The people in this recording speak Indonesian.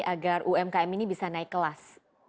agar umkm ini bisa naik kelas